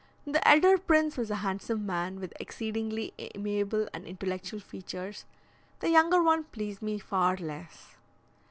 The elder prince was a handsome man, with exceedingly amiable and intellectual features; the younger one pleased me far less.